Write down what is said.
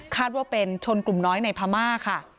ว่าเป็นชนกลุ่มน้อยในพม่าค่ะ